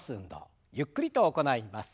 ゆっくりと行います。